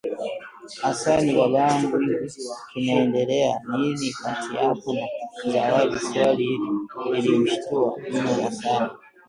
Hassan babangu Hivi kinaendelea nini kati yako na Zawadi Swali hili lilimshtua mno Hassan